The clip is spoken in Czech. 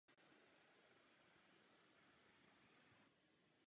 Dead to me je druhý song v albu.